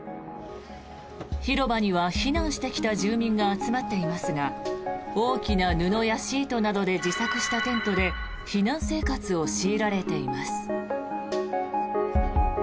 広場には避難してきた住民が集まっていますが大きな布やシートなどで自作したテントで避難生活を強いられています。